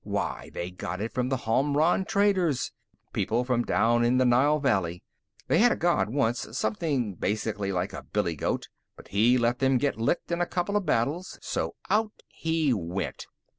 Why, they got it from Homran traders, people from down in the Nile Valley. They had a god, once, something basically like a billy goat, but he let them get licked in a couple of battles, so out he went.